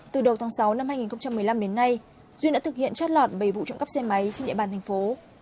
từ đầu tháng sáu năm hai nghìn một mươi năm đến nay duyên đã thực hiện trót lọt bảy vụ trộm cắp xe máy trên địa bàn thành phố